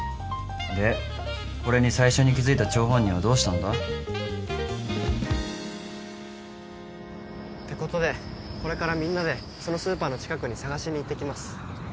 でこれに最初に気付いた張本人はどうしたんだ？ってことでこれからみんなでそのスーパーの近くに捜しに行ってきます。